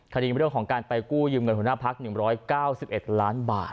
เรื่องของการไปกู้ยืมเงินหัวหน้าพัก๑๙๑ล้านบาท